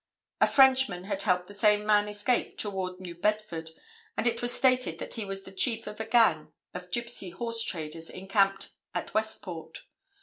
A Frenchman had helped the same man escape toward New Bedford, and it was stated that he was the chief of a gang of gypsy horse traders encamped at Westport.